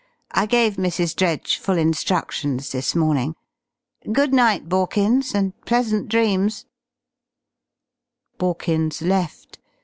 I gave Mrs. Dredge full instructions this morning.... Good night, Borkins, and pleasant dreams." Borkins left.